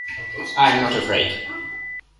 I am not afraid.